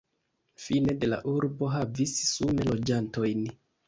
Fine de la urbo havis sume loĝantojn.